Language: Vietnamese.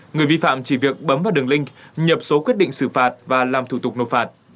người vi phạm chỉ việc bấm vào đường link nhập số quyết định xử phạt và làm thủ tục nộp phạt